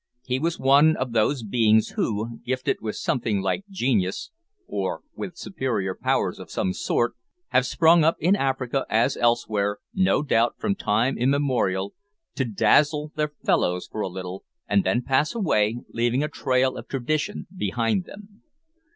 He was one of those beings who, gifted with something like genius, or with superior powers of some sort, have sprung up in Africa, as elsewhere, no doubt from time immemorial, to dazzle their fellows for a little, and then pass away, leaving a trail of tradition behind them.